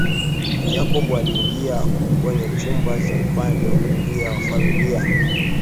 Jacob aliingia kwenye chumba cha upande wa kulia wa mafaili